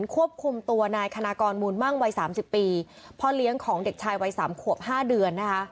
ควบคุมตัวนายคณากรมูลมั่งวัยสามสิบปีพ่อเลี้ยงของเด็กชายวัยสามขวบห้าเดือนนะคะ